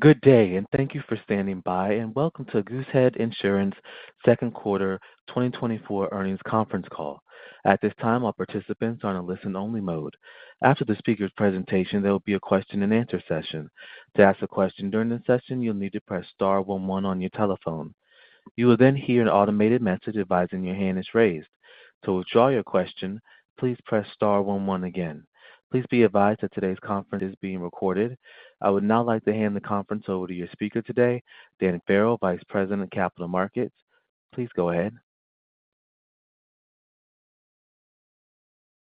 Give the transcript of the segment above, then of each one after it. Good day, and thank you for standing by, and welcome to Goosehead Insurance Second Quarter 2024 Earnings Conference Call. At this time, all participants are on a listen-only mode. After the speaker's presentation, there will be a question-and-answer session. To ask a question during the session, you'll need to press star one one on your telephone. You will then hear an automated message advising your hand is raised. To withdraw your question, please press star one one again. Please be advised that today's conference is being recorded. I would now like to hand the conference over to your speaker today, Dan Farrell, Vice President of Capital Markets. Please go ahead.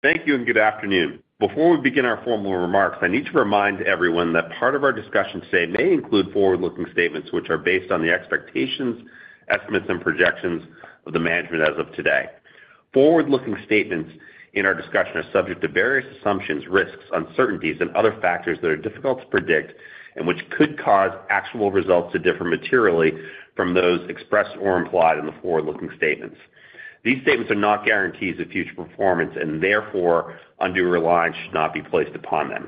Thank you, and good afternoon. Before we begin our formal remarks, I need to remind everyone that part of our discussion today may include forward-looking statements which are based on the expectations, estimates, and projections of the management as of today. Forward-looking statements in our discussion are subject to various assumptions, risks, uncertainties, and other factors that are difficult to predict and which could cause actual results to differ materially from those expressed or implied in the forward-looking statements. These statements are not guarantees of future performance, and therefore, undue reliance should not be placed upon them.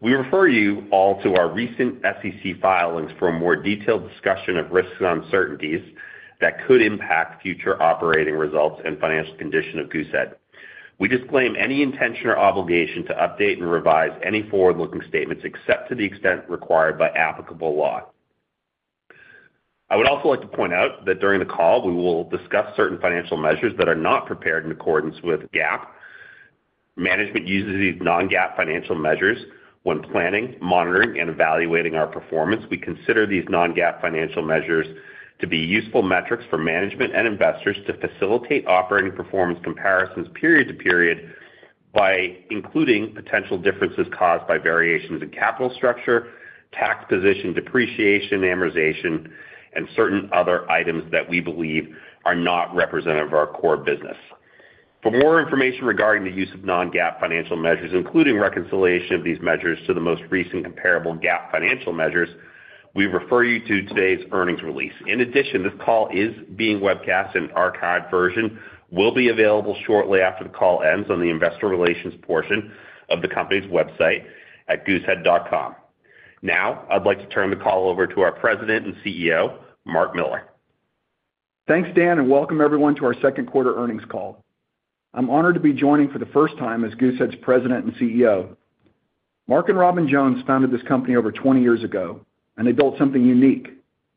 We refer you all to our recent SEC filings for a more detailed discussion of risks and uncertainties that could impact future operating results and financial condition of Goosehead. We disclaim any intention or obligation to update and revise any forward-looking statements except to the extent required by applicable law. I would also like to point out that during the call, we will discuss certain financial measures that are not prepared in accordance with GAAP. Management uses these non-GAAP financial measures when planning, monitoring, and evaluating our performance. We consider these non-GAAP financial measures to be useful metrics for management and investors to facilitate operating performance comparisons period to period by including potential differences caused by variations in capital structure, tax position, depreciation, amortization, and certain other items that we believe are not representative of our core business. For more information regarding the use of non-GAAP financial measures, including reconciliation of these measures to the most recent comparable GAAP financial measures, we refer you to today's earnings release. In addition, this call is being webcast, an archived version will be available shortly after the call ends on the investor relations portion of the company's website at goosehead.com. Now, I'd like to turn the call over to our President and CEO, Mark Miller. Thanks, Dan, and welcome everyone to our second quarter earnings call. I'm honored to be joining for the first time as Goosehead's President and CEO. Mark and Robin Jones founded this company over 20 years ago, and they built something unique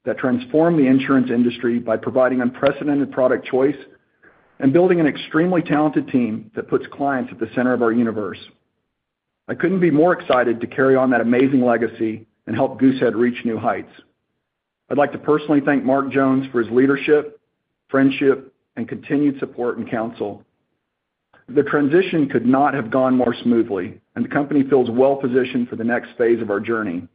that transformed the insurance industry by providing unprecedented product choice and building an extremely talented team that puts clients at the center of our universe. I couldn't be more excited to carry on that amazing legacy and help Goosehead reach new heights. I'd like to personally thank Mark Jones for his leadership, friendship, and continued support and counsel. The transition could not have gone more smoothly, and the company feels well-positioned for the next phase of our journey.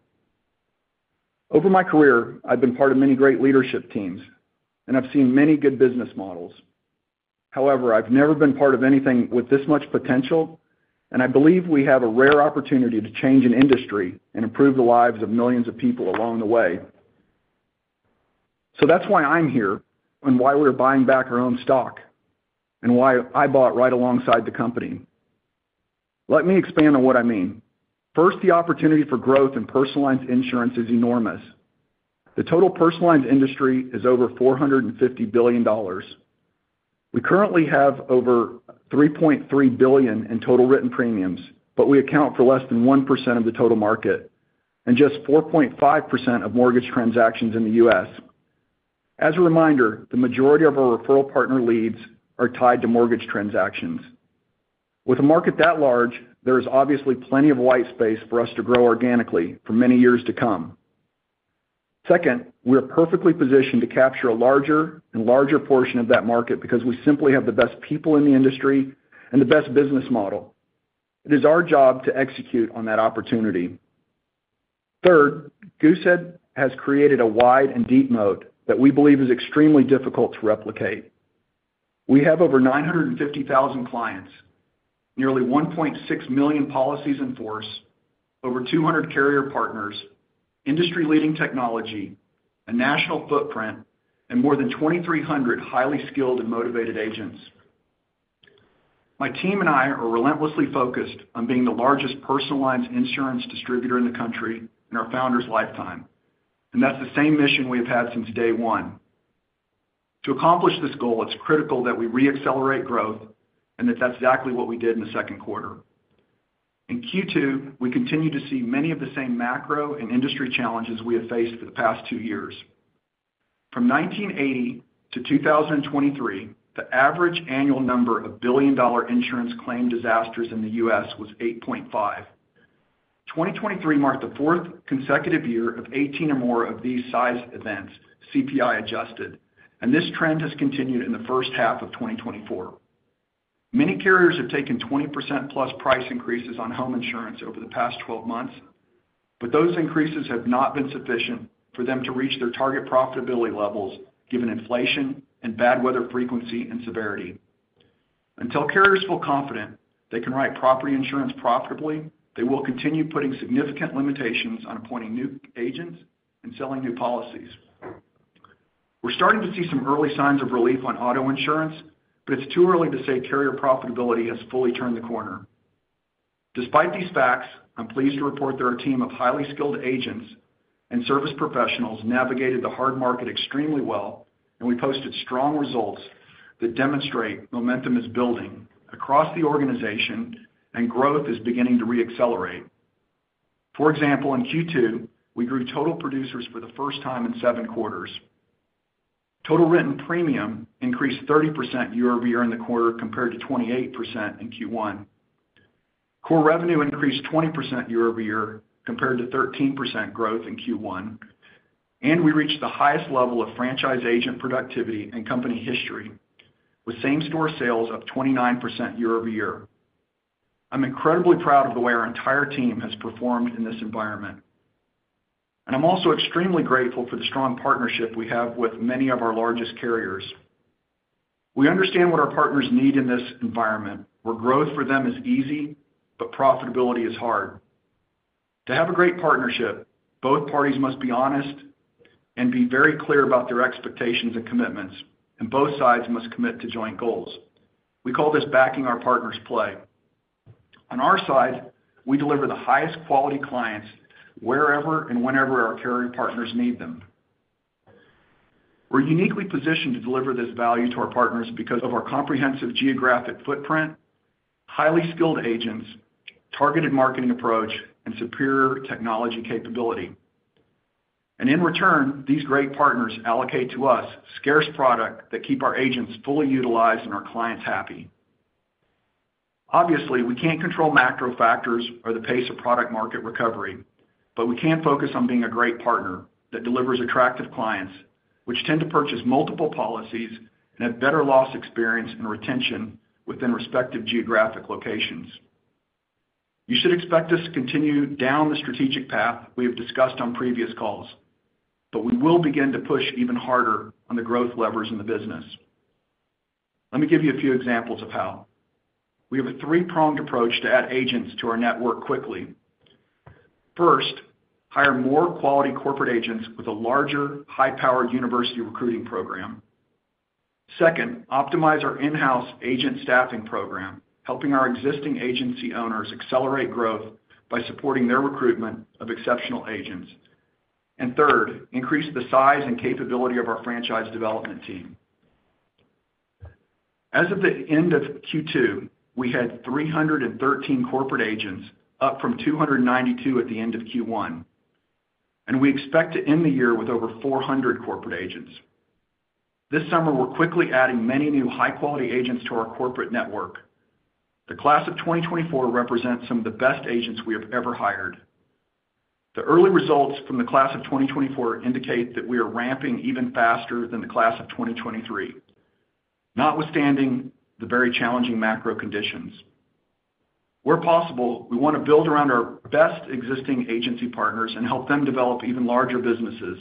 Over my career, I've been part of many great leadership teams, and I've seen many good business models. However, I've never been part of anything with this much potential, and I believe we have a rare opportunity to change an industry and improve the lives of millions of people along the way. So that's why I'm here and why we're buying back our own stock, and why I bought right alongside the company. Let me expand on what I mean. First, the opportunity for growth in personal lines insurance is enormous. The total personal lines industry is over $450 billion. We currently have over $3.3 billion in total written premiums, but we account for less than 1% of the total market and just 4.5% of mortgage transactions in the U.S. As a reminder, the majority of our referral partner leads are tied to mortgage transactions. With a market that large, there is obviously plenty of white space for us to grow organically for many years to come. Second, we are perfectly positioned to capture a larger and larger portion of that market because we simply have the best people in the industry and the best business model. It is our job to execute on that opportunity. Third, Goosehead has created a wide and deep moat that we believe is extremely difficult to replicate. We have over 950,000 clients, nearly 1.6 million policies in force, over 200 carrier partners, industry-leading technology, a national footprint, and more than 2,300 highly skilled and motivated agents. My team and I are relentlessly focused on being the largest personal lines insurance distributor in the country in our founder's lifetime, and that's the same mission we have had since day one. To accomplish this goal, it's critical that we reaccelerate growth, and that's exactly what we did in the second quarter. In Q2, we continued to see many of the same macro and industry challenges we have faced for the past two years. From 1980 to 2023, the average annual number of billion-dollar insurance claim disasters in the U.S. was 8.5. 2023 marked the fourth consecutive year of 18 or more of these size events, CPI-adjusted, and this trend has continued in the first half of 2024. Many carriers have taken 20%+ price increases on home insurance over the past 12 months, but those increases have not been sufficient for them to reach their target profitability levels given inflation and bad weather frequency and severity. Until carriers feel confident they can write property insurance profitably, they will continue putting significant limitations on appointing new agents and selling new policies. We're starting to see some early signs of relief on auto insurance, but it's too early to say carrier profitability has fully turned the corner. Despite these facts, I'm pleased to report that our team of highly skilled agents and service professionals navigated the hard market extremely well, and we posted strong results that demonstrate momentum is building across the organization, and growth is beginning to reaccelerate. For example, in Q2, we grew total producers for the first time in seven quarters. Total written premium increased 30% year-over-year in the quarter, compared to 28% in Q1. Core Revenue increased 20% year-over-year, compared to 13% growth in Q1, and we reached the highest level of franchise agent productivity in company history, with same-store sales up 29% year-over-year. I'm incredibly proud of the way our entire team has performed in this environment, and I'm also extremely grateful for the strong partnership we have with many of our largest carriers. We understand what our partners need in this environment, where growth for them is easy, but profitability is hard. To have a great partnership, both parties must be honest and be very clear about their expectations and commitments, and both sides must commit to joint goals. We call this backing our partners' play. On our side, we deliver the highest quality clients wherever and whenever our carrier partners need them. We're uniquely positioned to deliver this value to our partners because of our comprehensive geographic footprint, highly skilled agents, targeted marketing approach, and superior technology capability. In return, these great partners allocate to us scarce product that keep our agents fully utilized and our clients happy. Obviously, we can't control macro factors or the pace of product market recovery, but we can focus on being a great partner that delivers attractive clients, which tend to purchase multiple policies and have better loss experience and retention within respective geographic locations. You should expect us to continue down the strategic path we have discussed on previous calls, but we will begin to push even harder on the growth levers in the business. Let me give you a few examples of how. We have a three-pronged approach to add agents to our network quickly. First, hire more quality corporate agents with a larger, high-powered university recruiting program. Second, optimize our in-house agent staffing program, helping our existing agency owners accelerate growth by supporting their recruitment of exceptional agents. And third, increase the size and capability of our franchise development team. As of the end of Q2, we had 313 corporate agents, up from 292 at the end of Q1, and we expect to end the year with over 400 corporate agents. This summer, we're quickly adding many new high-quality agents to our corporate network. The Class of 2024 represents some of the best agents we have ever hired. The early results from the Class of 2024 indicate that we are ramping even faster than the Class of 2023, notwithstanding the very challenging macro conditions. Where possible, we want to build around our best existing agency partners and help them develop even larger businesses.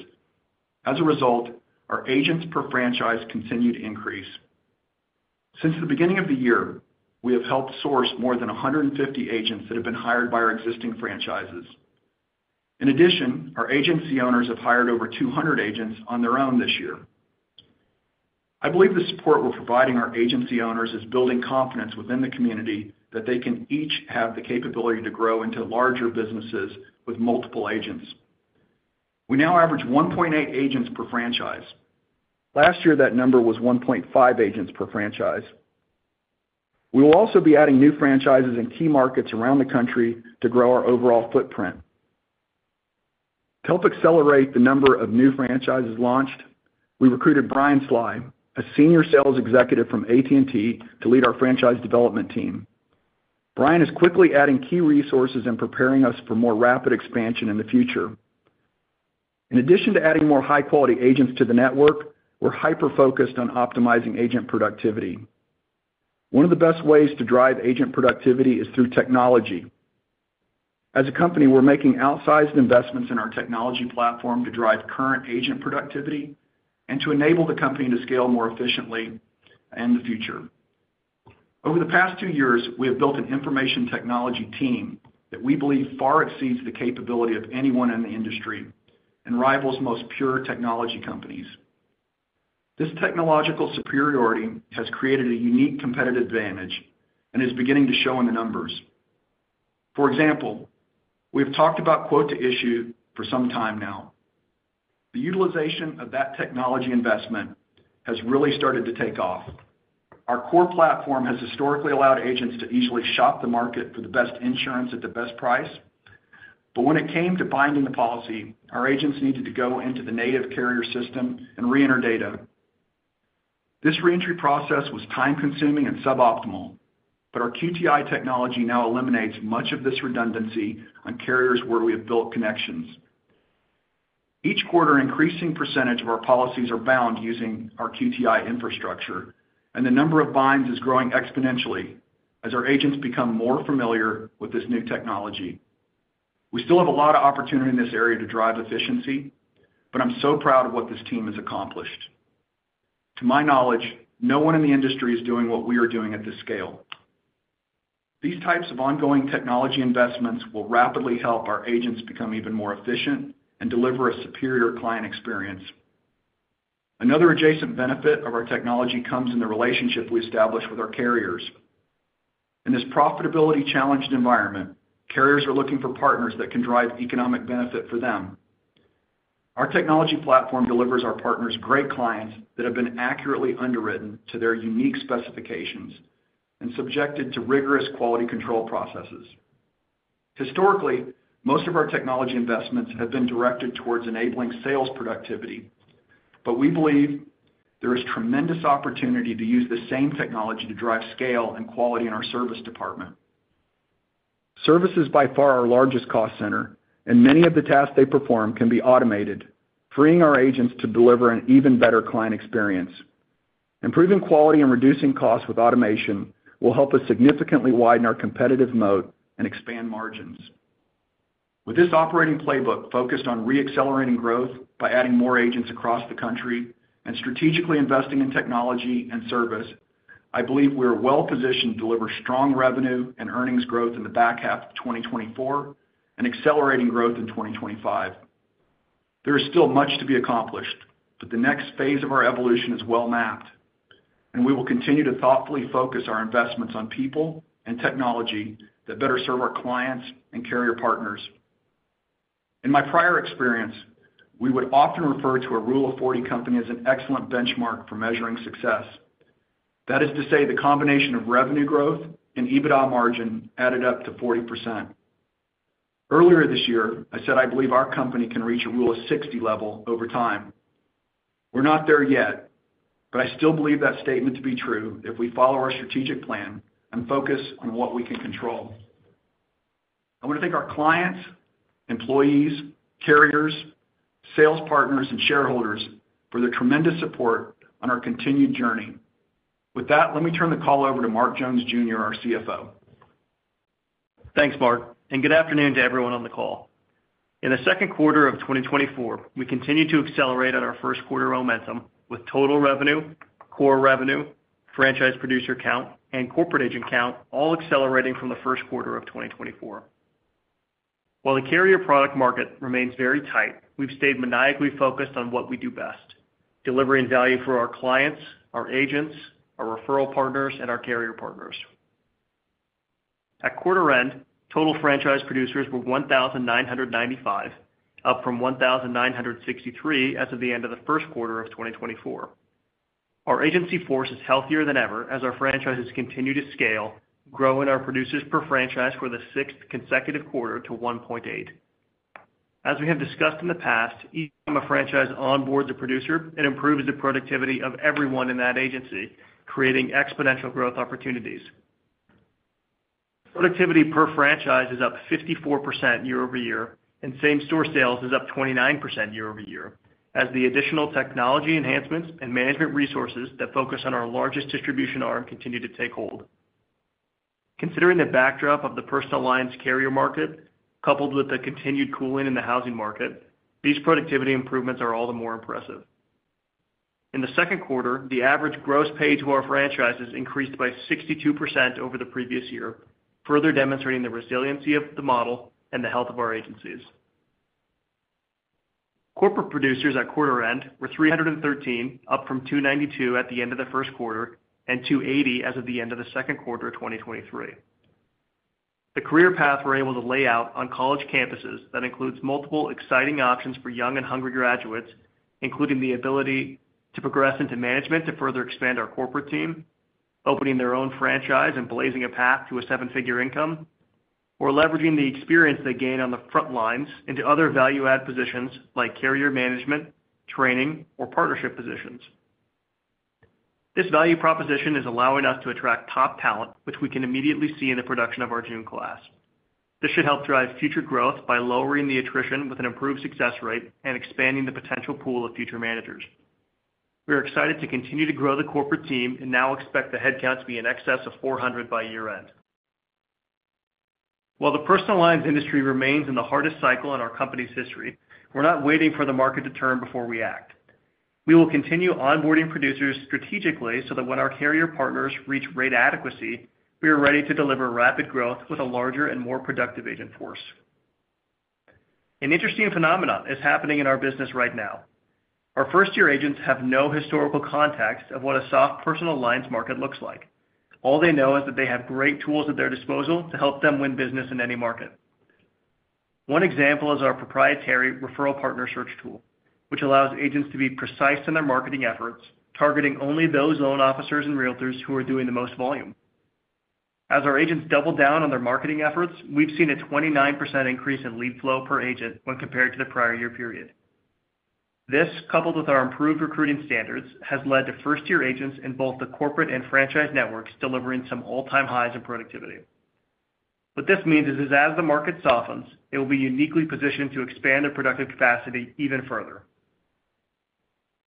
As a result, our agents per franchise continue to increase. Since the beginning of the year, we have helped source more than 150 agents that have been hired by our existing franchises. In addition, our agency owners have hired over 200 agents on their own this year. I believe the support we're providing our agency owners is building confidence within the community that they can each have the capability to grow into larger businesses with multiple agents. We now average 1.8 agents per franchise. Last year, that number was 1.5 agents per franchise. We will also be adding new franchises in key markets around the country to grow our overall footprint. To help accelerate the number of new franchises launched, we recruited Brian Slye, a senior sales executive from AT&T, to lead our franchise development team. Brian is quickly adding key resources and preparing us for more rapid expansion in the future. In addition to adding more high-quality agents to the network, we're hyper-focused on optimizing agent productivity. One of the best ways to drive agent productivity is through technology. As a company, we're making outsized investments in our technology platform to drive current agent productivity and to enable the company to scale more efficiently in the future. Over the past two years, we have built an information technology team that we believe far exceeds the capability of anyone in the industry and rivals most pure technology companies. This technological superiority has created a unique competitive advantage and is beginning to show in the numbers. For example, we've talked about Quote-to-Issue for some time now. The utilization of that technology investment has really started to take off. Our core platform has historically allowed agents to easily shop the market for the best insurance at the best price. But when it came to binding the policy, our agents needed to go into the native carrier system and reenter data. This reentry process was time-consuming and suboptimal, but our QTI technology now eliminates much of this redundancy on carriers where we have built connections. Each quarter, an increasing percentage of our policies are bound using our QTI infrastructure, and the number of binds is growing exponentially as our agents become more familiar with this new technology. We still have a lot of opportunity in this area to drive efficiency, but I'm so proud of what this team has accomplished. To my knowledge, no one in the industry is doing what we are doing at this scale. These types of ongoing technology investments will rapidly help our agents become even more efficient and deliver a superior client experience. Another adjacent benefit of our technology comes in the relationship we establish with our carriers. In this profitability challenged environment, carriers are looking for partners that can drive economic benefit for them. Our technology platform delivers our partners great clients that have been accurately underwritten to their unique specifications and subjected to rigorous quality control processes. Historically, most of our technology investments have been directed towards enabling sales productivity, but we believe there is tremendous opportunity to use the same technology to drive scale and quality in our service department. Service is by far our largest cost center, and many of the tasks they perform can be automated, freeing our agents to deliver an even better client experience. Improving quality and reducing costs with automation will help us significantly widen our competitive moat and expand margins. With this operating playbook focused on reaccelerating growth by adding more agents across the country and strategically investing in technology and service, I believe we are well positioned to deliver strong revenue and earnings growth in the back half of 2024 and accelerating growth in 2025. There is still much to be accomplished, but the next phase of our evolution is well mapped, and we will continue to thoughtfully focus our investments on people and technology that better serve our clients and carrier partners. In my prior experience, we would often refer to a Rule of 40 company as an excellent benchmark for measuring success. That is to say, the combination of revenue growth and EBITDA margin added up to 40%. Earlier this year, I said I believe our company can reach a Rule of 60 level over time. We're not there yet, but I still believe that statement to be true if we follow our strategic plan and focus on what we can control. I want to thank our clients, employees, carriers, sales partners, and shareholders for their tremendous support on our continued journey. With that, let me turn the call over to Mark Jones Jr., our CFO. Thanks, Mark, and good afternoon to everyone on the call. In the second quarter of 2024, we continued to accelerate on our first quarter momentum with total revenue, core revenue, franchise producer count, and corporate agent count all accelerating from the first quarter of 2024. While the carrier product market remains very tight, we've stayed maniacally focused on what we do best, delivering value for our clients, our agents, our referral partners, and our carrier partners. At quarter end, total franchise producers were 1,995, up from 1,963 as of the end of the first quarter of 2024. Our agency force is healthier than ever as our franchises continue to scale, growing our producers per franchise for the sixth consecutive quarter to 1.8. As we have discussed in the past, each time a franchise onboards a producer, it improves the productivity of everyone in that agency, creating exponential growth opportunities. Productivity per franchise is up 54% year-over-year, and same-store sales is up 29% year-over-year, as the additional technology enhancements and management resources that focus on our largest distribution arm continue to take hold. Considering the backdrop of the personal lines carrier market, coupled with the continued cooling in the housing market, these productivity improvements are all the more impressive. In the second quarter, the average gross pay to our franchises increased by 62% over the previous year, further demonstrating the resiliency of the model and the health of our agencies. Corporate producers at quarter end were 313, up from 292 at the end of the first quarter, and 280 as of the end of the second quarter of 2023. The career path we're able to lay out on college campuses that includes multiple exciting options for young and hungry graduates, including the ability to progress into management to further expand our corporate team, opening their own franchise and blazing a path to a seven-figure income, or leveraging the experience they gain on the front lines into other value-add positions like carrier management, training, or partnership positions. This value proposition is allowing us to attract top talent, which we can immediately see in the production of our June class. This should help drive future growth by lowering the attrition with an improved success rate and expanding the potential pool of future managers. We are excited to continue to grow the corporate team and now expect the headcount to be in excess of 400 by year-end. While the personal lines industry remains in the hardest cycle in our company's history, we're not waiting for the market to turn before we act. We will continue onboarding producers strategically so that when our carrier partners reach rate adequacy, we are ready to deliver rapid growth with a larger and more productive agent force. An interesting phenomenon is happening in our business right now. Our first-year agents have no historical context of what a soft personal lines market looks like. All they know is that they have great tools at their disposal to help them win business in any market. One example is our proprietary referral partner search tool, which allows agents to be precise in their marketing efforts, targeting only those loan officers and realtors who are doing the most volume. As our agents double down on their marketing efforts, we've seen a 29% increase in lead flow per agent when compared to the prior year period. This, coupled with our improved recruiting standards, has led to first-year agents in both the corporate and franchise networks, delivering some all-time highs in productivity. What this means is, as the market softens, it will be uniquely positioned to expand their productive capacity even further.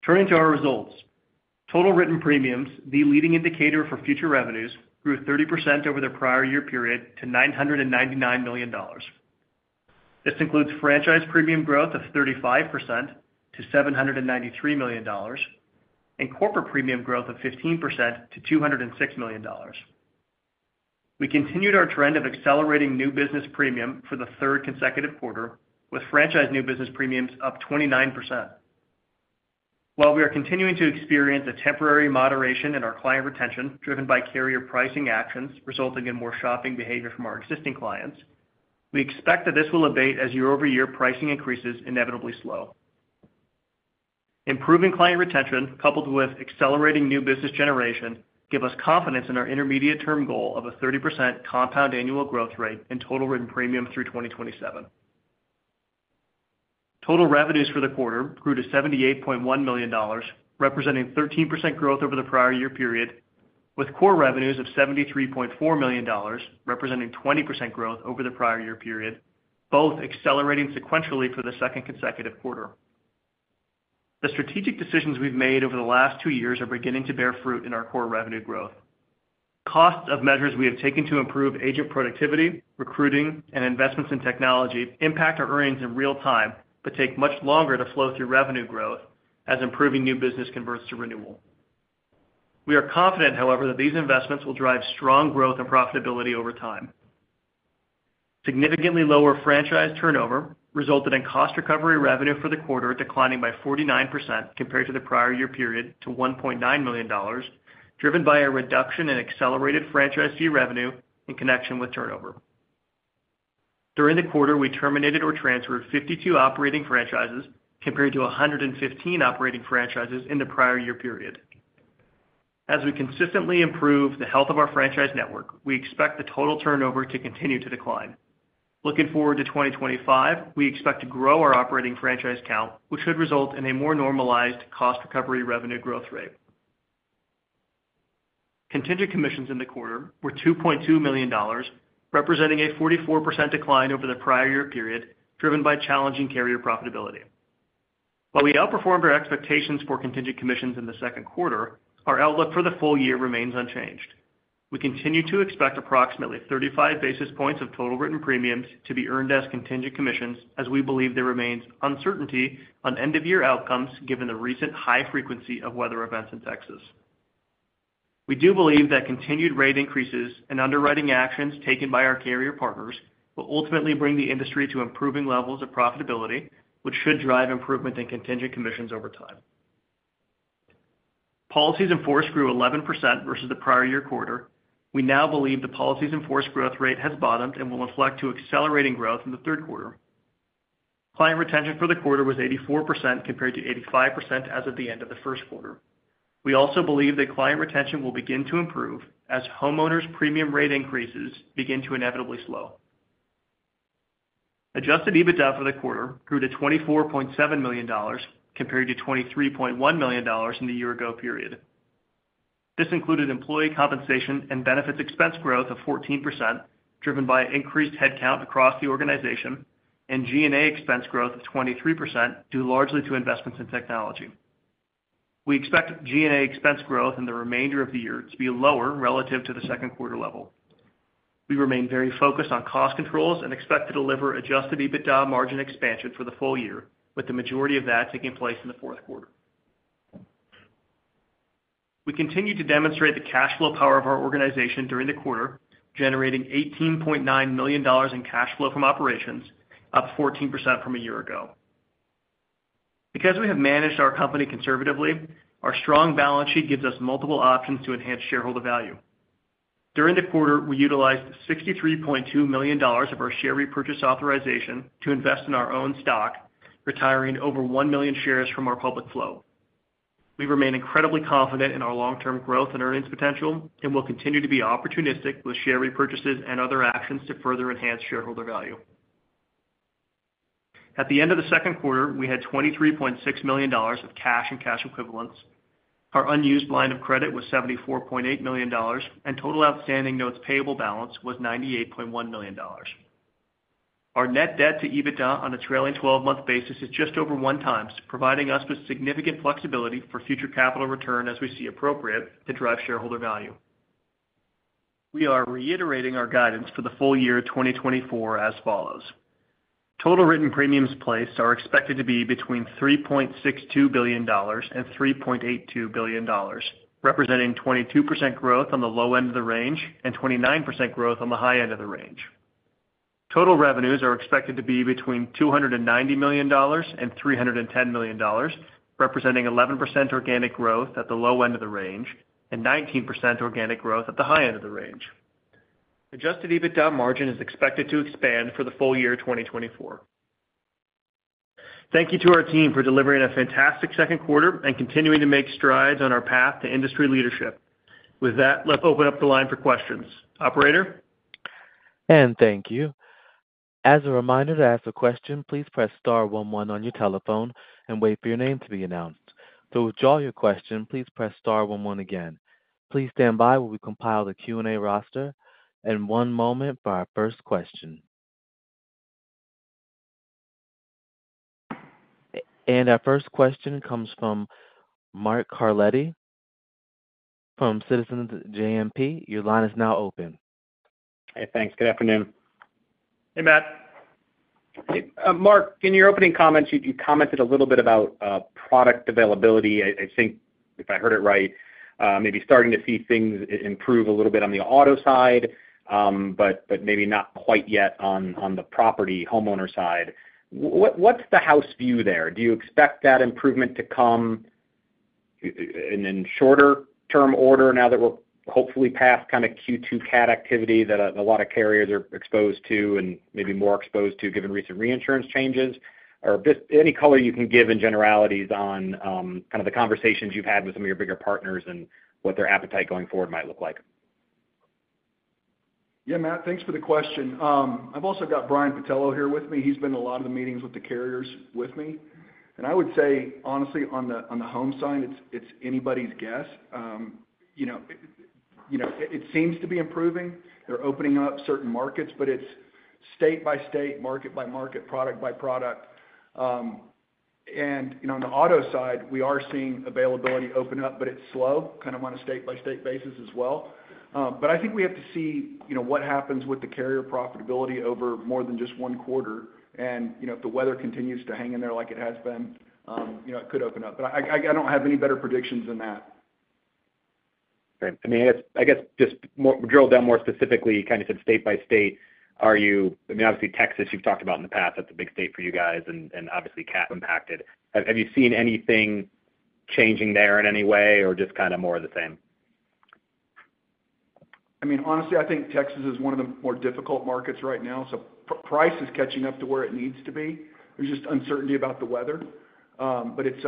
Turning to our results. Total written premiums, the leading indicator for future revenues, grew 30% over the prior year period to $999 million. This includes franchise premium growth of 35% to $793 million and corporate premium growth of 15% to $206 million. We continued our trend of accelerating new business premium for the third consecutive quarter, with franchise new business premiums up 29%. While we are continuing to experience a temporary moderation in our client retention, driven by carrier pricing actions resulting in more shopping behavior from our existing clients, we expect that this will abate as year-over-year pricing increases inevitably slow. Improving client retention, coupled with accelerating new business generation, give us confidence in our intermediate-term goal of a 30% compound annual growth rate in total written premium through 2027. Total revenues for the quarter grew to $78.1 million, representing 13% growth over the prior year period, with core revenues of $73.4 million, representing 20% growth over the prior year period, both accelerating sequentially for the second consecutive quarter. The strategic decisions we've made over the last two years are beginning to bear fruit in our core revenue growth. Costs of measures we have taken to improve agent productivity, recruiting, and investments in technology impact our earnings in real time, but take much longer to flow through revenue growth as improving new business converts to renewal. We are confident, however, that these investments will drive strong growth and profitability over time. Significantly lower franchise turnover resulted in cost recovery revenue for the quarter declining by 49% compared to the prior year period to $1.9 million, driven by a reduction in accelerated franchise fee revenue in connection with turnover. During the quarter, we terminated or transferred 52 operating franchises, compared to 115 operating franchises in the prior year period. As we consistently improve the health of our franchise network, we expect the total turnover to continue to decline. Looking forward to 2025, we expect to grow our operating franchise count, which should result in a more normalized cost recovery revenue growth rate. Contingent commissions in the quarter were $2.2 million, representing a 44% decline over the prior year period, driven by challenging carrier profitability. While we outperformed our expectations for contingent commissions in the second quarter, our outlook for the full year remains unchanged. We continue to expect approximately 35 basis points of total written premiums to be earned as contingent commissions, as we believe there remains uncertainty on end-of-year outcomes, given the recent high frequency of weather events in Texas. We do believe that continued rate increases and underwriting actions taken by our carrier partners will ultimately bring the industry to improving levels of profitability, which should drive improvement in contingent commissions over time. Policies in force grew 11% versus the prior year quarter. We now believe the policies in force growth rate has bottomed and will inflect to accelerating growth in the third quarter. Client retention for the quarter was 84%, compared to 85% as of the end of the first quarter. We also believe that client retention will begin to improve as homeowners' premium rate increases begin to inevitably slow. Adjusted EBITDA for the quarter grew to $24.7 million, compared to $23.1 million in the year ago period. This included employee compensation and benefits expense growth of 14%, driven by increased headcount across the organization, and G&A expense growth of 23%, due largely to investments in technology. We expect G&A expense growth in the remainder of the year to be lower relative to the second quarter level. We remain very focused on cost controls and expect to deliver adjusted EBITDA margin expansion for the full year, with the majority of that taking place in the fourth quarter. We continued to demonstrate the cash flow power of our organization during the quarter, generating $18.9 million in cash flow from operations, up 14% from a year ago. Because we have managed our company conservatively, our strong balance sheet gives us multiple options to enhance shareholder value. During the quarter, we utilized $63.2 million of our share repurchase authorization to invest in our own stock, retiring over 1 million shares from our public flow. We remain incredibly confident in our long-term growth and earnings potential and will continue to be opportunistic with share repurchases and other actions to further enhance shareholder value. At the end of the second quarter, we had $23.6 million of cash and cash equivalents. Our unused line of credit was $74.8 million, and total outstanding notes payable balance was $98.1 million. Our Net Debt to EBITDA on a trailing twelve-month basis is just over 1x, providing us with significant flexibility for future capital return as we see appropriate to drive shareholder value. We are reiterating our guidance for the full year 2024 as follows: Total written premiums placed are expected to be between $3.62 billion and $3.82 billion, representing 22% growth on the low end of the range and 29% growth on the high end of the range. Total revenues are expected to be between $290 million and $310 million, representing 11% organic growth at the low end of the range and 19% organic growth at the high end of the range. Adjusted EBITDA margin is expected to expand for the full year 2024. Thank you to our team for delivering a fantastic second quarter and continuing to make strides on our path to industry leadership. With that, let's open up the line for questions. Operator? Thank you. As a reminder, to ask a question, please press star one one on your telephone and wait for your name to be announced. To withdraw your question, please press star one one again. Please stand by while we compile the Q&A roster, and one moment for our first question... And our first question comes from Matt Carletti from Citizens JMP. Your line is now open. Hey, thanks. Good afternoon. Hey, Matt. Hey, Mark, in your opening comments, you commented a little bit about product availability. I think if I heard it right, maybe starting to see things improve a little bit on the auto side, but maybe not quite yet on the property homeowner side. What's the house view there? Do you expect that improvement to come in shorter term order now that we're hopefully past kind of Q2 cat activity that a lot of carriers are exposed to and maybe more exposed to, given recent reinsurance changes? Or just any color you can give in generalities on kind of the conversations you've had with some of your bigger partners and what their appetite going forward might look like. Yeah, Matt, thanks for the question. I've also got Brian Patello here with me. He's been in a lot of the meetings with the carriers with me. And I would say, honestly, on the home side, it's anybody's guess. You know, it seems to be improving. They're opening up certain markets, but it's state by state, market by market, product by product. And, you know, on the auto side, we are seeing availability open up, but it's slow, kind of on a state-by-state basis as well. But I think we have to see, you know, what happens with the carrier profitability over more than just one quarter. And, you know, if the weather continues to hang in there like it has been, you know, it could open up. But I don't have any better predictions than that. Great. I mean, I guess just more, drill down more specifically, you kind of said state by state, are you, I mean, obviously, Texas, you've talked about in the past, that's a big state for you guys and obviously cat impacted. Have you seen anything changing there in any way or just kind of more of the same? I mean, honestly, I think Texas is one of the more difficult markets right now. So price is catching up to where it needs to be. There's just uncertainty about the weather. But it's,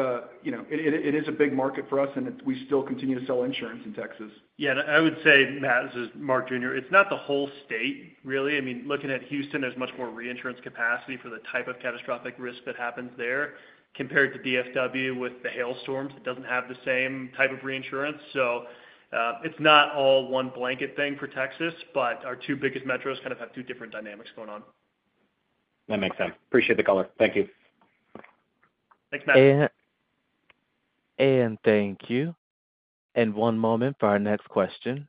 you know, it is a big market for us, and it, we still continue to sell insurance in Texas. Yeah, and I would say, Matt, this is Mark Jr., it's not the whole state, really. I mean, looking at Houston, there's much more reinsurance capacity for the type of catastrophic risk that happens there, compared to DFW with the hailstorms. It doesn't have the same type of reinsurance. So, it's not all one blanket thing for Texas, but our two biggest metros kind of have two different dynamics going on. That makes sense. Appreciate the color. Thank you. Thanks, Matt. Thank you. One moment for our next question.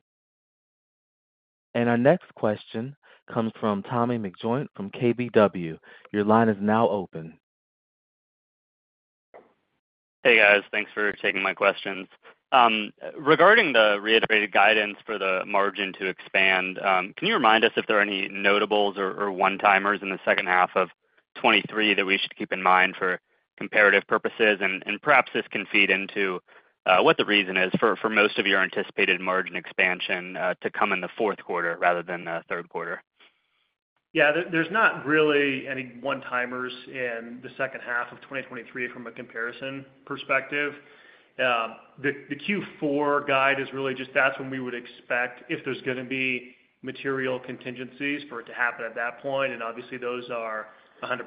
Our next question comes from Tommy McJoynt from KBW. Your line is now open. Hey, guys. Thanks for taking my questions. Regarding the reiterated guidance for the margin to expand, can you remind us if there are any notables or one-timers in the second half of 2023 that we should keep in mind for comparative purposes? And perhaps this can feed into what the reason is for most of your anticipated margin expansion to come in the fourth quarter rather than the third quarter. Yeah, there's not really any one-timers in the second half of 2023 from a comparison perspective. The Q4 guide is really just, that's when we would expect, if there's gonna be material contingencies, for it to happen at that point, and obviously, those are 100%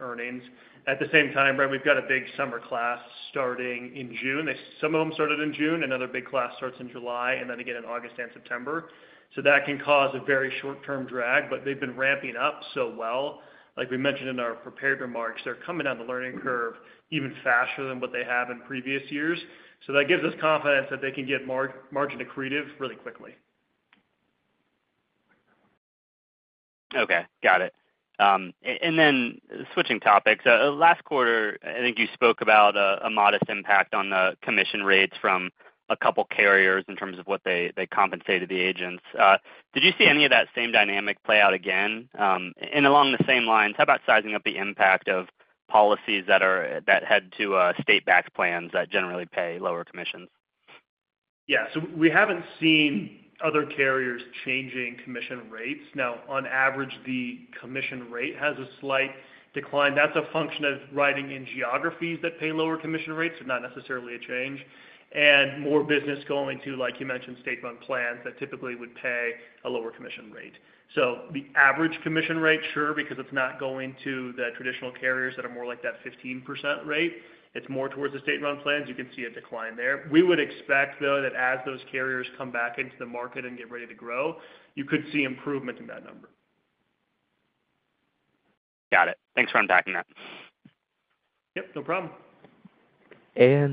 earnings. At the same time, right, we've got a big summer class starting in June. Some of them started in June, another big class starts in July, and then again in August and September. So that can cause a very short-term drag, but they've been ramping up so well. Like we mentioned in our prepared remarks, they're coming down the learning curve even faster than what they have in previous years. So that gives us confidence that they can get margin accretive really quickly. Okay, got it. And then switching topics. Last quarter, I think you spoke about a modest impact on the commission rates from a couple carriers in terms of what they, they compensated the agents. Did you see any of that same dynamic play out again? And along the same lines, how about sizing up the impact of policies that are, that head to state-backed plans that generally pay lower commissions? Yeah, so we haven't seen other carriers changing commission rates. Now, on average, the commission rate has a slight decline. That's a function of writing in geographies that pay lower commission rates, and not necessarily a change, and more business going to, like you mentioned, state-run plans that typically would pay a lower commission rate. So the average commission rate, sure, because it's not going to the traditional carriers that are more like that 15% rate. It's more towards the state-run plans. You can see a decline there. We would expect, though, that as those carriers come back into the market and get ready to grow, you could see improvement in that number. Got it. Thanks for unpacking that. Yep, no problem.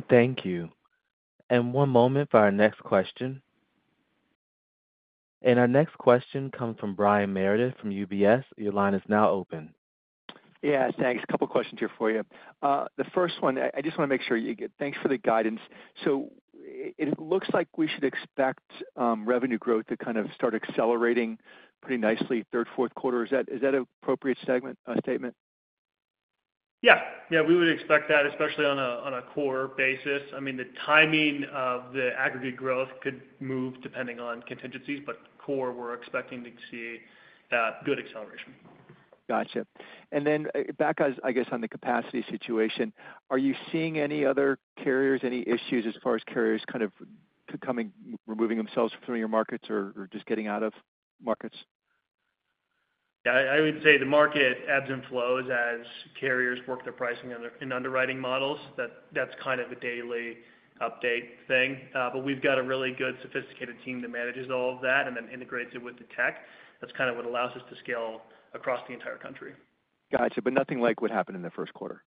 Thank you. One moment for our next question. Our next question comes from Brian Meredith from UBS. Your line is now open. Yeah, thanks. A couple questions here for you. The first one, I just wanna make sure you get. Thanks for the guidance. So it looks like we should expect revenue growth to kind of start accelerating pretty nicely, third, fourth quarter. Is that an appropriate segment statement? Yeah. Yeah, we would expect that, especially on a core basis. I mean, the timing of the aggregate growth could move depending on contingencies, but core, we're expecting to see good acceleration. Gotcha. And then, back, as I guess, on the capacity situation, are you seeing any other carriers, any issues as far as carriers kind of coming, removing themselves from your markets or just getting out of markets? Yeah, I would say the market ebbs and flows as carriers work their pricing and their underwriting models. That's kind of a daily update thing. But we've got a really good sophisticated team that manages all of that and then integrates it with the tech. That's kind of what allows us to scale across the entire country. Got you, but nothing like what happened in the first quarter?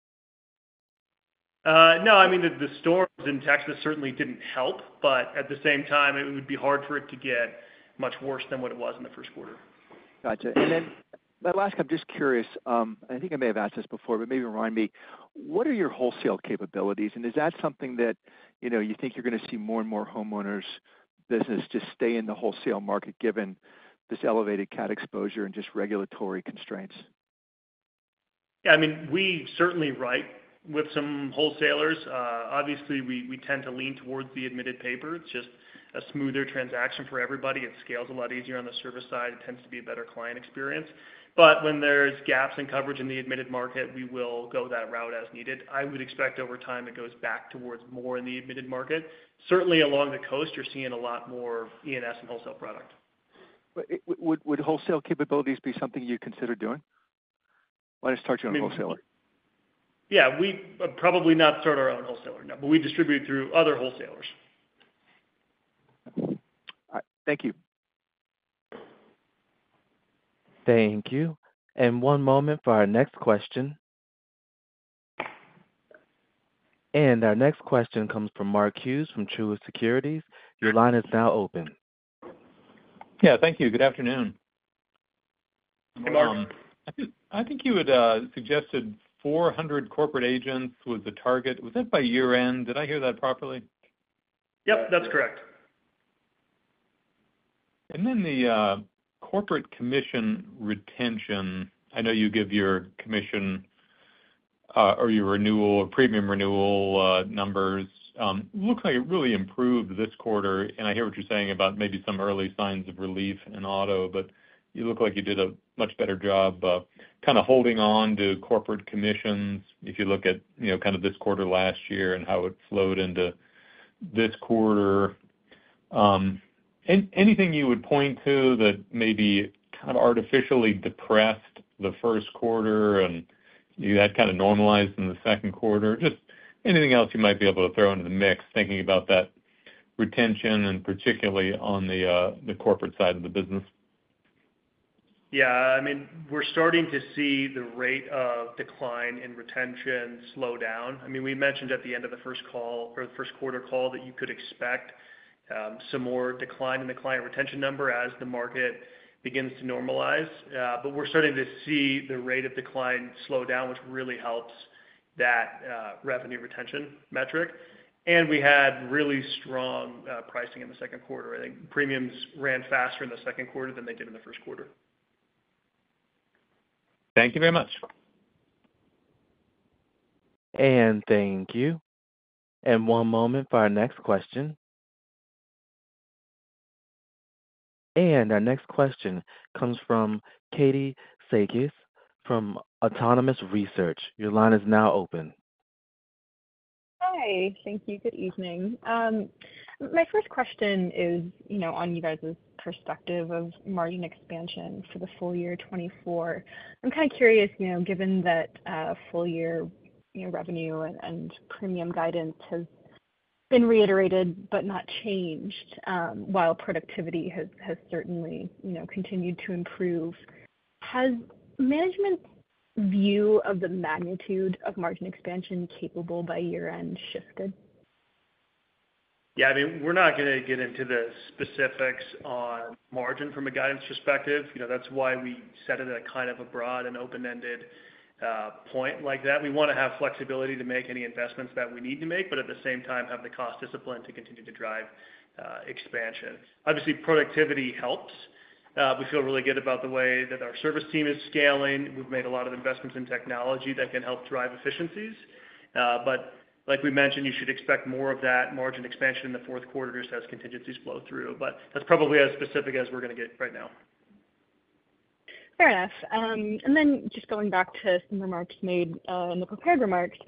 No, I mean, the storms in Texas certainly didn't help, but at the same time, it would be hard for it to get much worse than what it was in the first quarter. Gotcha. And then my last, I'm just curious, I think I may have asked this before, but maybe remind me, what are your wholesale capabilities? And is that something that, you know, you think you're gonna see more and more homeowners business just stay in the wholesale market, given this elevated cat exposure and just regulatory constraints? Yeah, I mean, we certainly write with some wholesalers. Obviously, we tend to lean towards the admitted paper. It's just a smoother transaction for everybody. It scales a lot easier on the service side, it tends to be a better client experience. But when there's gaps in coverage in the admitted market, we will go that route as needed. I would expect over time, it goes back towards more in the admitted market. Certainly, along the coast, you're seeing a lot more E&S and wholesale product. Would wholesale capabilities be something you consider doing? Why start your own wholesaler? Yeah. We probably not start our own wholesaler, no, but we distribute through other wholesalers. All right. Thank you. Thank you. One moment for our next question. Our next question comes from Mark Hughes from Truist Securities. Your line is now open. Yeah, thank you. Good afternoon. Hey, Mark. I think, I think you had suggested 400 corporate agents was the target. Was that by year-end? Did I hear that properly? Yep, that's correct. And then the corporate commission retention, I know you give your commission or your renewal premium renewal numbers. Looks like it really improved this quarter, and I hear what you're saying about maybe some early signs of relief in auto, but you look like you did a much better job of kind of holding on to corporate commissions, if you look at, you know, kind of this quarter last year and how it flowed into this quarter. Anything you would point to that maybe kind of artificially depressed the first quarter and you had kind of normalized in the second quarter? Just anything else you might be able to throw into the mix, thinking about that retention, and particularly on the corporate side of the business. Yeah, I mean, we're starting to see the rate of decline in retention slow down. I mean, we mentioned at the end of the first call or the first quarter call, that you could expect, some more decline in the client retention number as the market begins to normalize. But we're starting to see the rate of decline slow down, which really helps that, revenue retention metric. And we had really strong, pricing in the second quarter. I think premiums ran faster in the second quarter than they did in the first quarter. Thank you very much. Thank you. One moment for our next question. Our next question comes from Katie Sakys from Autonomous Research. Your line is now open. Hi. Thank you. Good evening. My first question is, you know, on you guys' perspective of margin expansion for the full year 2024. I'm kind of curious, you know, given that, full year, you know, revenue and premium guidance has been reiterated but not changed, while productivity has certainly, you know, continued to improve. Has management's view of the magnitude of margin expansion capable by year end shifted? Yeah, I mean, we're not gonna get into the specifics on margin from a guidance perspective. You know, that's why we set it at a kind of a broad and open-ended point like that. We wanna have flexibility to make any investments that we need to make, but at the same time, have the cost discipline to continue to drive expansion. Obviously, productivity helps. We feel really good about the way that our service team is scaling. We've made a lot of investments in technology that can help drive efficiencies. But like we mentioned, you should expect more of that margin expansion in the fourth quarter just as contingencies flow through. But that's probably as specific as we're gonna get right now. Fair enough. And then just going back to some remarks made in the prepared remarks.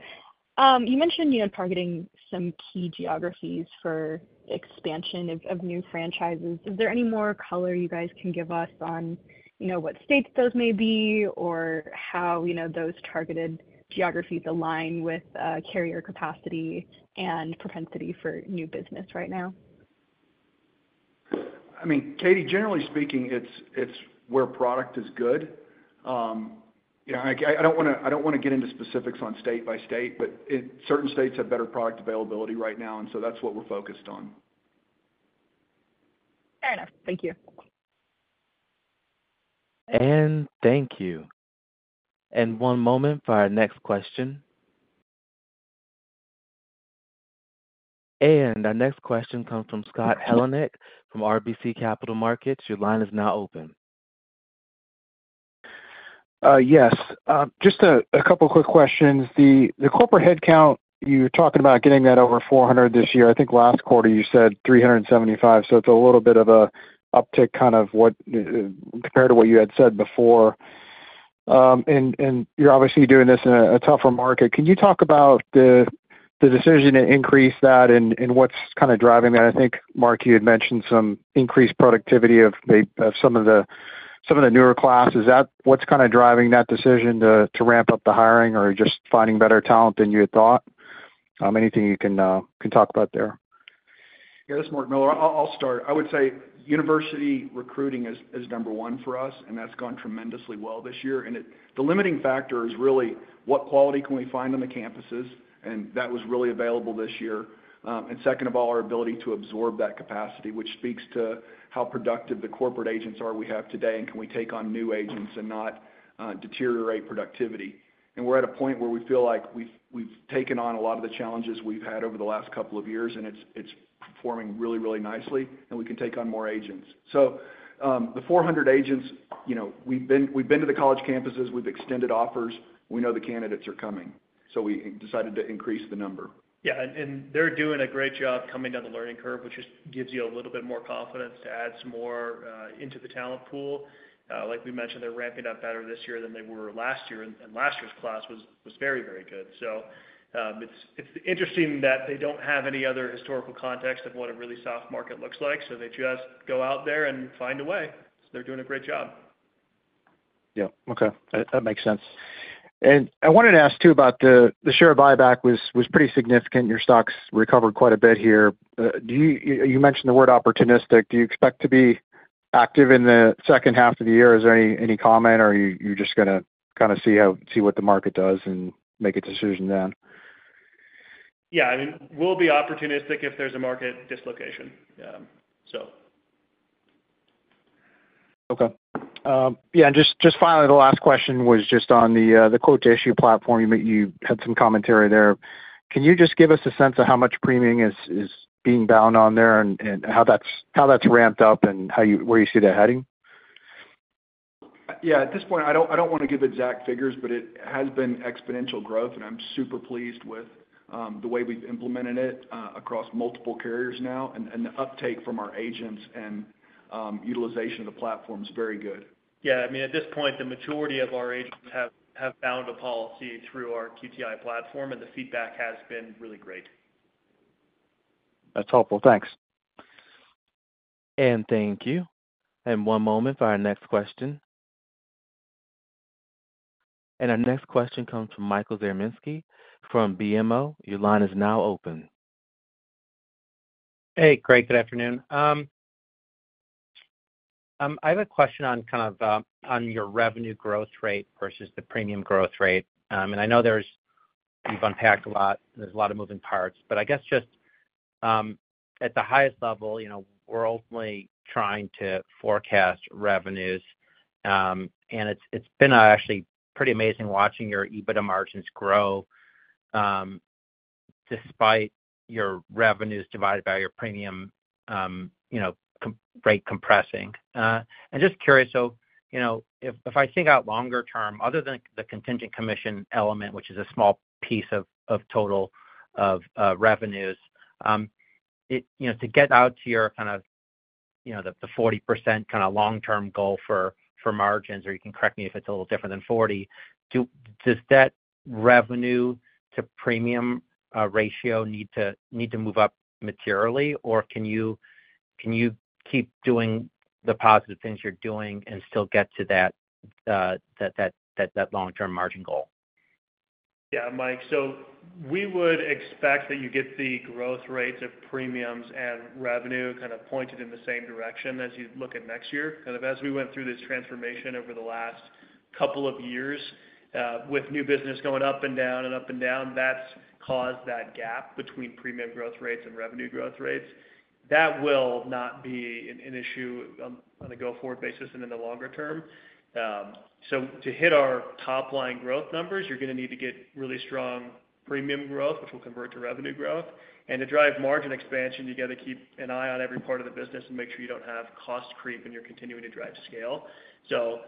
You mentioned, you know, targeting some key geographies for expansion of new franchises. Is there any more color you guys can give us on, you know, what states those may be, or how, you know, those targeted geographies align with carrier capacity and propensity for new business right now? I mean, Katie, generally speaking, it's where product is good. You know, I don't wanna get into specifics on state by state, but certain states have better product availability right now, and so that's what we're focused on. Fair enough. Thank you. Thank you. One moment for our next question. Our next question comes from Scott Heleniak from RBC Capital Markets. Your line is now open. Yes. Just a couple quick questions. The corporate headcount, you're talking about getting that over 400 this year. I think last quarter you said 375, so it's a little bit of an uptick compared to what you had said before. And you're obviously doing this in a tougher market. Can you talk about the decision to increase that and what's kind of driving that? I think, Mark, you had mentioned some increased productivity of some of the newer classes. Is that what's kind of driving that decision to ramp up the hiring or just finding better talent than you had thought? Anything you can talk about there? Yeah, this is Mark Miller. I'll start. I would say university recruiting is number one for us, and that's gone tremendously well this year. And it, the limiting factor is really what quality can we find on the campuses, and that was really available this year. And second of all, our ability to absorb that capacity, which speaks to how productive the corporate agents are we have today, and can we take on new agents and not deteriorate productivity? And we're at a point where we feel like we've taken on a lot of the challenges we've had over the last couple of years, and it's performing really, really nicely, and we can take on more agents. The 400 agents, you know, we've been to the college campuses, we've extended offers, we know the candidates are coming, so we decided to increase the number. Yeah, they're doing a great job coming down the learning curve, which just gives you a little bit more confidence to add some more into the talent pool. Like we mentioned, they're ramping up better this year than they were last year, and last year's class was very, very good. It's interesting that they don't have any other historical context of what a really soft market looks like, so they just go out there and find a way. So they're doing a great job. Yeah. Okay, that makes sense. I wanted to ask, too, about the share buyback was pretty significant. Your stock's recovered quite a bit here. Do you, you mentioned the word opportunistic. Do you expect to be active in the second half of the year? Is there any comment, or are you, you're just gonna kind of see how, see what the market does and make a decision then? Yeah, I mean, we'll be opportunistic if there's a market dislocation. So. Okay. Yeah, and just finally, the last question was just on the Quote-to-Issue platform. You had some commentary there. Can you just give us a sense of how much premium is being bound on there and how that's ramped up and where you see that heading? Yeah, at this point, I don't, I don't want to give exact figures, but it has been exponential growth, and I'm super pleased with the way we've implemented it across multiple carriers now. And the uptake from our agents and utilization of the platform is very good. Yeah, I mean, at this point, the majority of our agents have bound a policy through our QTI platform, and the feedback has been really great. That's helpful. Thanks. Thank you. One moment for our next question. Our next question comes from Michael Zaremski, from BMO. Your line is now open. Hey, great. Good afternoon. I have a question on, kind of, on your revenue growth rate versus the premium growth rate. And I know you've unpacked a lot, and there's a lot of moving parts. But I guess just, at the highest level, you know, we're only trying to forecast revenues, and it's been actually pretty amazing watching your EBITDA margins grow, despite your revenues divided by your premium, you know, comp rate compressing. I'm just curious, so, you know, if I think out longer term, other than the contingent commission element, which is a small piece of total revenues, you know, to get out to your kind of, you know, the 40% kind of long-term goal for margins, or you can correct me if it's a little different than 40, does that revenue to premium ratio need to move up materially, or can you keep doing the positive things you're doing and still get to that long-term margin goal? Yeah, Mike, so we would expect that you get the growth rates of premiums and revenue kind of pointed in the same direction as you look at next year. Kind of as we went through this transformation over the last couple of years, with new business going up and down and up and down, that's caused that gap between premium growth rates and revenue growth rates. That will not be an issue on a go-forward basis and in the longer term. So to hit our top-line growth numbers, you're gonna need to get really strong premium growth, which will convert to revenue growth. And to drive margin expansion, you got to keep an eye on every part of the business and make sure you don't have cost creep, and you're continuing to drive scale. So,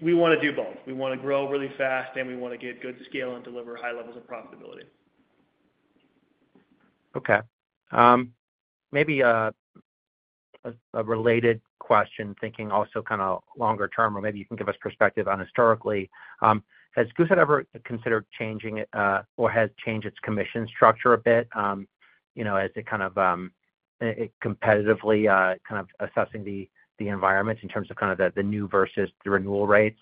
we want to do both. We want to grow really fast, and we want to get good scale and deliver high levels of profitability. Okay. Maybe a related question, thinking also kind of longer term, or maybe you can give us perspective on historically. Has Goosehead ever considered changing, or has changed its commission structure a bit, you know, as it kind of competitively kind of assessing the environment in terms of kind of the new versus the renewal rates?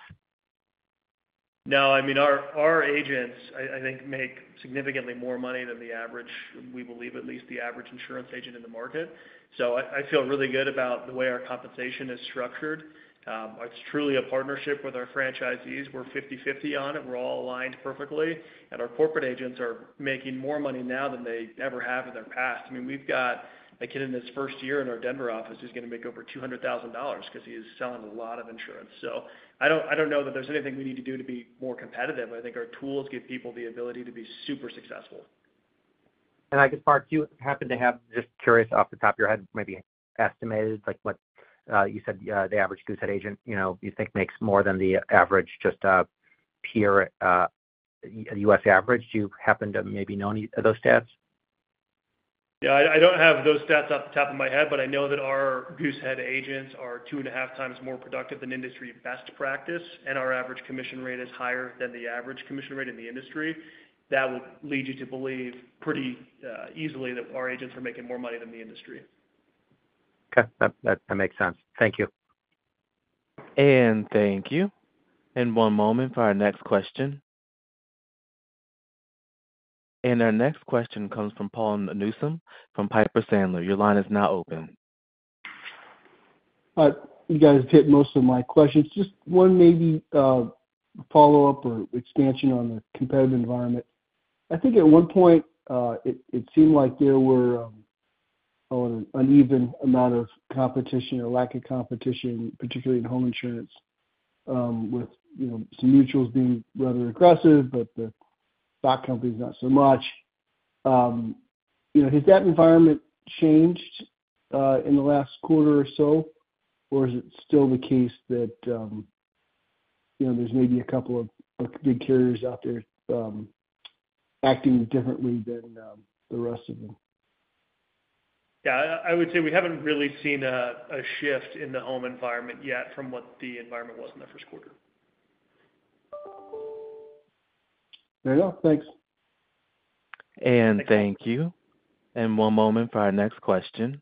No, I mean, our agents, I think, make significantly more money than the average... we believe, at least the average insurance agent in the market. So I feel really good about the way our compensation is structured. It's truly a partnership with our franchisees. We're 50/50 on it. We're all aligned perfectly, and our corporate agents are making more money now than they ever have in their past. I mean, we've got a kid in his first year in our Denver office who's gonna make over $200,000 because he is selling a lot of insurance. So I don't know that there's anything we need to do to be more competitive. I think our tools give people the ability to be super successful. And I guess, Mark, do you happen to have, just curious, off the top of your head, maybe estimated, like, what, you said, the average Goosehead agent, you know, you think makes more than the average, just, peer, U.S. average? Do you happen to maybe know any of those stats? Yeah, I, I don't have those stats off the top of my head, but I know that our Goosehead agents are 2.5 times more productive than industry best practice, and our average commission rate is higher than the average commission rate in the industry. That will lead you to believe pretty easily that our agents are making more money than the industry. Okay. That makes sense. Thank you. Thank you. One moment for our next question. Our next question comes from Paul Newsome from Piper Sandler. Your line is now open. Hi. You guys hit most of my questions. Just one maybe, follow-up or expansion on the competitive environment. I think at one point, it seemed like there were an uneven amount of competition or lack of competition, particularly in home insurance, with, you know, some mutuals being rather aggressive, but the stock companies not so much. You know, has that environment changed in the last quarter or so? Or is it still the case that, you know, there's maybe a couple of big carriers out there, acting differently than the rest of them? Yeah, I would say we haven't really seen a shift in the home environment yet from what the environment was in the first quarter. Very well. Thanks. Thank you. One moment for our next question.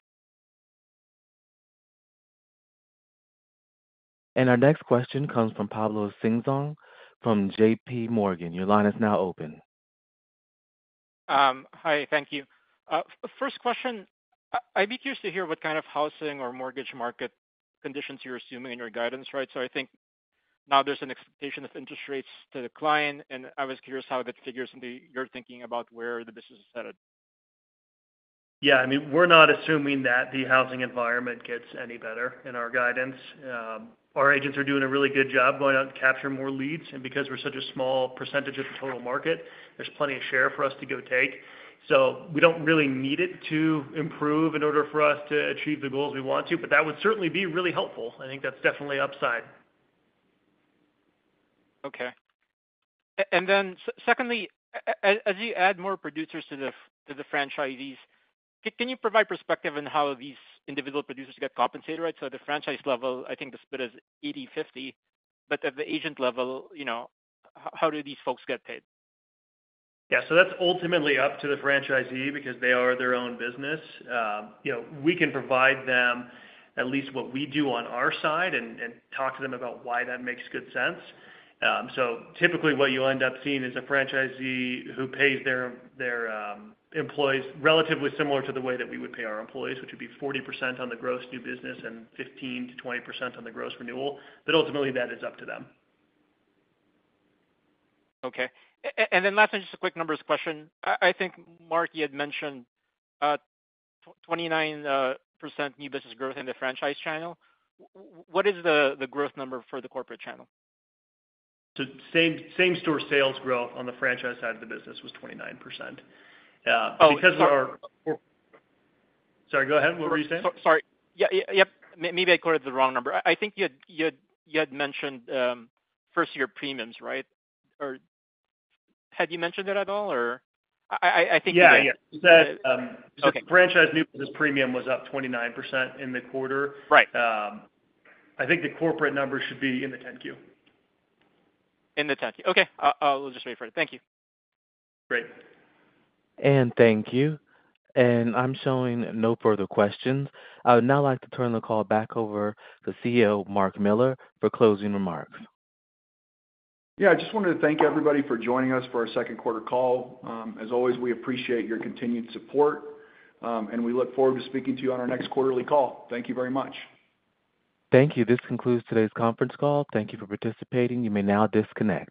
Our next question comes from Pablo Singzon from JMorgan. Your line is now open. Hi, thank you. First question, I'd be curious to hear what kind of housing or mortgage market conditions you're assuming in your guidance, right? So I think now there's an expectation of interest rates to decline, and I was curious how that figures into your thinking about where the business is headed. Yeah, I mean, we're not assuming that the housing environment gets any better in our guidance. Our agents are doing a really good job going out and capturing more leads, and because we're such a small percentage of the total market, there's plenty of share for us to go take. So we don't really need it to improve in order for us to achieve the goals we want to, but that would certainly be really helpful. I think that's definitely upside. Okay. And then secondly, as you add more producers to the franchisees, can you provide perspective on how these individual producers get compensated, right? So at the franchise level, I think the split is 80-50, but at the agent level, you know, how do these folks get paid? Yeah, so that's ultimately up to the franchisee because they are their own business. You know, we can provide them at least what we do on our side and, and talk to them about why that makes good sense. So typically what you'll end up seeing is a franchisee who pays their employees relatively similar to the way that we would pay our employees, which would be 40% on the gross new business and 15%-20% on the gross renewal, but ultimately, that is up to them. Okay. And then lastly, just a quick numbers question. I think, Mark, you had mentioned 29% new business growth in the franchise channel. What is the growth number for the corporate channel? So same-store sales growth on the franchise side of the business was 29%. Because our- Oh. Sorry, go ahead. What were you saying? Sorry. Yeah, yep. Maybe I quoted the wrong number. I think you had mentioned first-year premiums, right? Or had you mentioned it at all or I think you did. Yeah, yeah. Okay. Franchise new business premium was up 29% in the quarter. Right. I think the corporate number should be in the 10-Q. In the 10-Q. Okay, I'll just wait for it. Thank you. Great. Thank you. I'm showing no further questions. I would now like to turn the call back over to CEO Mark Miller for closing remarks. Yeah, I just wanted to thank everybody for joining us for our second quarter call. As always, we appreciate your continued support, and we look forward to speaking to you on our next quarterly call. Thank you very much. Thank you. This concludes today's conference call. Thank you for participating. You may now disconnect.